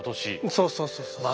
そうそうそうそうそう。